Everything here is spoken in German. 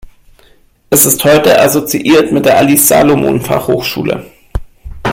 Es ist heute assoziiert mit der Alice-Salomon-Fachhochschule.